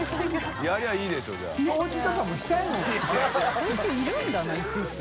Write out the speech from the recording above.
そういう人いるんだな一定数。